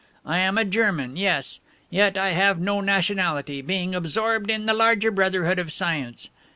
I am a German, yes. Yet I have no nationality, being absorbed in the larger brotherhood of science.